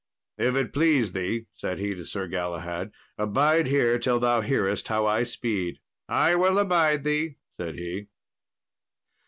"If it please thee," said he to Sir Galahad, "abide here till thou hearest how I speed." "I will abide thee," said he.